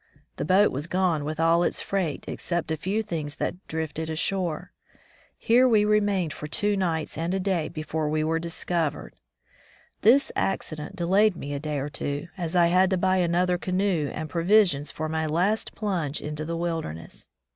The boat was gone with all its freight, except a few things that drifted ashore. Here we re mained for two nights and a day before we were discovered. This accident delayed me a day or two, as I had to buy another canoe and provisions 179 From the Deep Woods to CmUzation for my last plunge into the wilderness.